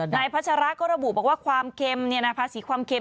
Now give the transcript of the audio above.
นายพจาระก็ระบุบอกว่าความเค็มภาษีขอไหม